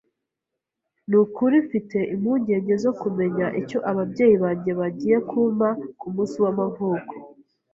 Nukuri mfite impungenge zo kumenya icyo ababyeyi banjye bagiye kumpa kumunsi w'amavuko.